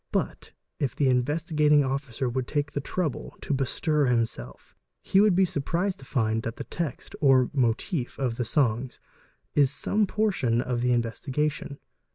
But if the Investigat ing Officer would take the trouble to bestir himself, he would be surprised to find that the text, or 'motif,' of the songs is some portion of the in vestigation.